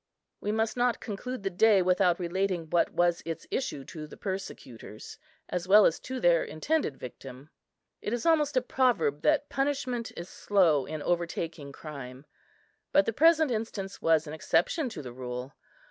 We must not conclude the day without relating what was its issue to the persecutors, as well as to their intended victim. It is almost a proverb that punishment is slow in overtaking crime; but the present instance was an exception to the rule.